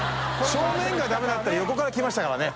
未ダメだったら横から来ましたからね。